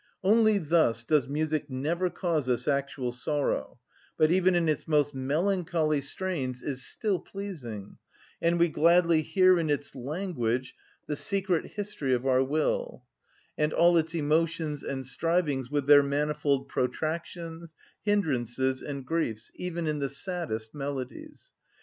Only thus does music never cause us actual sorrow, but even in its most melancholy strains is still pleasing, and we gladly hear in its language the secret history of our will, and all its emotions and strivings, with their manifold protractions, hindrances, and griefs, even in the saddest melodies.